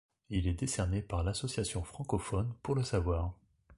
Il est décerné par l'Association francophone pour le savoir.